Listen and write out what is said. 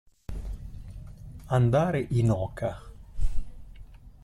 Andare in oca.